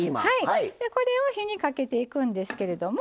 これを火にかけていくんですけれども。